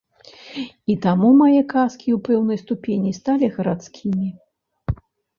І таму мае казкі ў пэўнай ступені сталі гарадскімі.